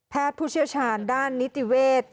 แพทย์ผู้เชี่ยวชาญด้านนิติเวช